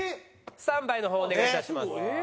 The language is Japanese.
スタンバイの方お願いいたします。